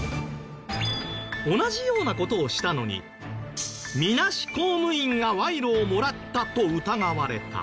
同じような事をしたのにみなし公務員が賄賂をもらったと疑われた。